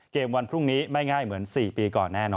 เกมวันพรุ่งนี้ไม่ง่ายเหมือนสี่ปีก่อนแล้ว